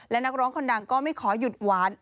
และนักร้องคนดังก็ไม่ขอหยุดหวาน